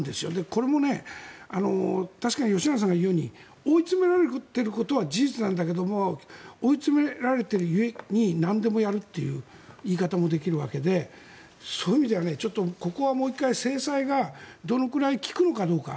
これも確かに吉永さんが言うように追い詰められているところは事実なんだけども追い詰められている故になんでもやるという言い方もできるわけでそういう意味ではここはもう１回制裁がどのくらい効くのかどうか。